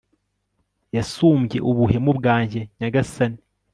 yasumbye ubuhemu bwanjye. nyagasani